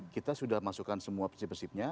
kita sudah masukkan semua prinsip prinsipnya